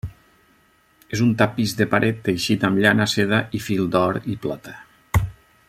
És un tapís de paret, teixit amb llana, seda, i fil d'or i plata.